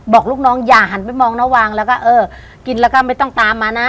บอกลูกน้องอย่าหันไปมองนวางแล้วก็เออกินแล้วก็ไม่ต้องตามมานะ